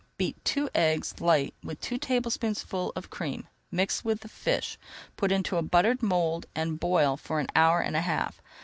Beat two eggs light with two tablespoonfuls of cream, mix with the fish, put into a buttered mould and boil for an hour and a half.